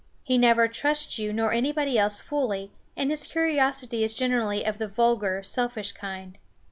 He never trusts you nor anybody else fully, and his curiosity is generally of the vulgar, selfish kind.